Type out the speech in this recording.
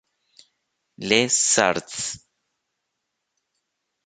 Le Sars